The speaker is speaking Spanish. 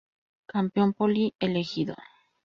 Campeón: Poli Ejido.